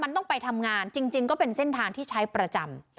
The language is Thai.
มันต้องไปทำงานจริงก็เป็นเส้นทางที่ใช้ประจำ